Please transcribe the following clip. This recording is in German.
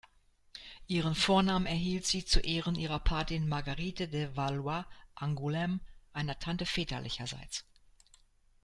Ihren Vornamen erhielt sie zu Ehren ihrer Patin Marguerite de Valois-Angoulême, einer Tante väterlicherseits.